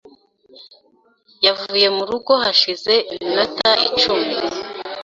Yavuye mu rugo hashize iminota icumi .